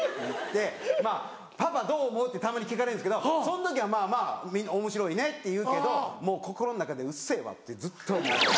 まぁ「パパどう思う？」ってたまに聞かれるんですけどその時はまぁまぁ「おもしろいね」って言うけどもう心の中で「うっせぇわ」ってずっともう。